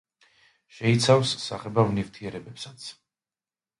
შეიცავს საღებავ ნივთიერებებსაც.